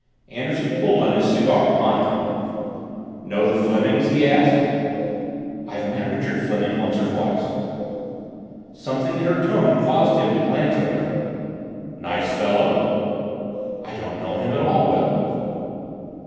Anderson puffed on his cigar, pondering. "Know the Flemings?" he asked. "I've met Mr. Richard Fleming once or twice." Something in her tone caused him to glance at her. "Nice fellow?" "I don't know him at all well."